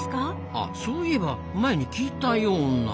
あそういえば前に聞いたような。